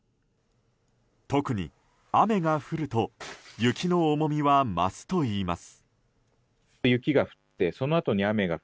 特に雨が降ると雪の重みは増すといいます。